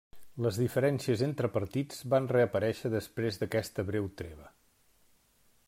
Les diferències entre partits van reaparèixer després d'aquesta breu treva.